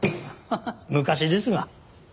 ハハハ昔ですが。